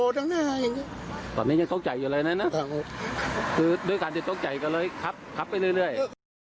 ตอนนี้ยังตกใจอยู่เลยนะคือด้วยการจะตกใจก็เลยขับขับไปเรื่อย